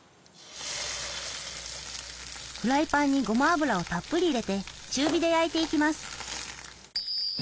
フライパンにごま油をたっぷり入れて中火で焼いていきます。